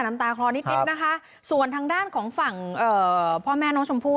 น้ำตาคลอนิดนิดนะคะส่วนทางด้านของฝั่งเอ่อพ่อแม่น้องชมพู่